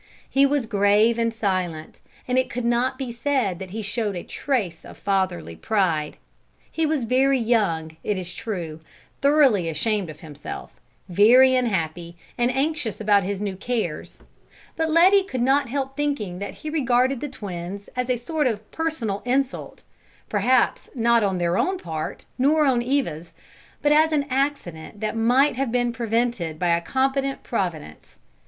He was grave and silent, and it could not be said that he showed a trace of fatherly pride. He was very young, it is true, thoroughly ashamed of himself, very unhappy, and anxious about his new cares; but Letty could not help thinking that he regarded the twins as a sort of personal insult, perhaps not on their own part, nor on Eva's, but as an accident that might have been prevented by a competent Providence.